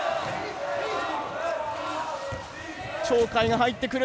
鳥海が入ってくる。